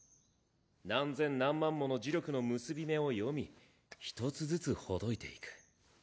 何千何万もの呪力の結び目を読み一つずつほどいていく。